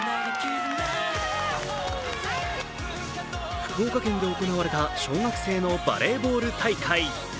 福岡県で行われた小学生のバレーボール大会。